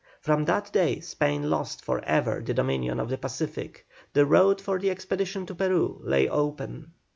From that date Spain lost for ever the dominion of the Pacific. The road for the expedition to Peru lay open.